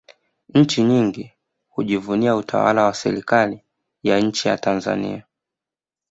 nchi nyingi hujivunia utawala wa serikali ya nchi ya tanzania